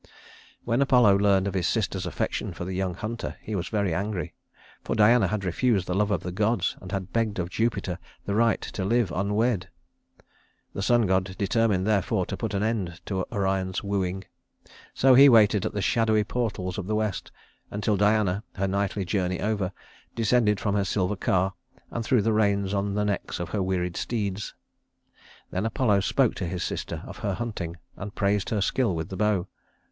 When Apollo learned of his sister's affection for the young hunter, he was very angry, for Diana had refused the love of the gods, and had begged of Jupiter the right to live unwed. The sun god determined therefore to put an end to Orion's wooing. So he waited at the shadowy portals of the west until Diana, her nightly journey over, descended from her silver car and threw the reins on the necks of her wearied steeds. Then Apollo spoke to his sister of her hunting, and praised her skill with the bow.